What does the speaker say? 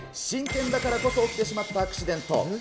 真剣だからこそ起きてしまったアクシデント。